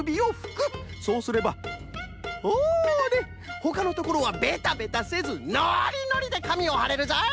そうすればほれほかのところはベタベタせずノリノリでかみをはれるぞい！